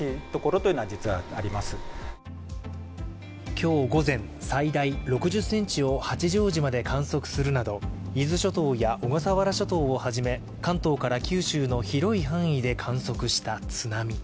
今日午前、最大６０ｃｍを八丈島で観測するなど、伊豆諸島や小笠原諸島を始め関東から九州の広い範囲で観測した津波。